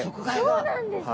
そうなんですか！